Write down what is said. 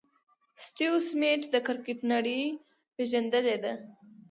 سټیو سميټ د کرکټ نړۍ پېژندلی دئ.